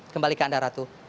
kembali ke anda ratu